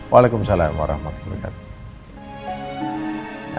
waalaikumsalam warahmatullahi wabarakatuh